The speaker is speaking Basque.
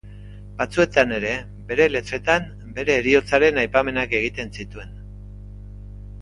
Batzuetan ere, bere letretan bere heriotzaren aipamenak egiten zituen.